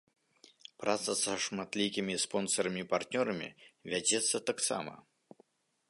Праца са шматлікімі спонсарамі-партнёрамі вядзецца таксама.